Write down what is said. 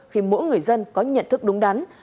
khi mỗi người dân có nhận thức đúng đắn